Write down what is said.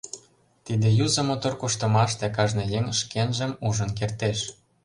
Тиде юзо мотор куштымаште кажне еҥ шкенжым ужын кертеш.